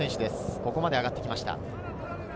ここまで上がってきました。